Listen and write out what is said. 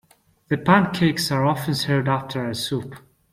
The pancakes are often served after a soup.